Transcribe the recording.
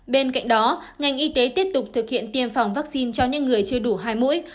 bên cạnh đó ngành y tế tiếp tục thực hiện tiêm phòng vaccine cho những người chưa đủ hai mũi